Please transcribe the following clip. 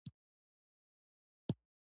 پروټون مثبت چارچ لري او په هسته کې موقعیت لري.